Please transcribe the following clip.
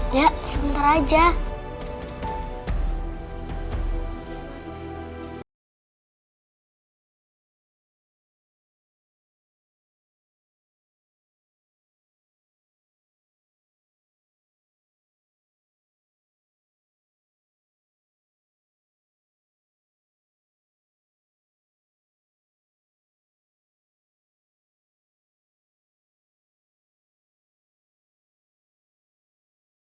ya sebentar aja itu